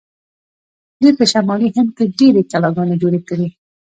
دوی په شمالي هند کې ډیرې کلاګانې جوړې کړې.